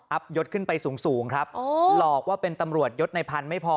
ยศขึ้นไปสูงครับหลอกว่าเป็นตำรวจยดในพันธุไม่พอ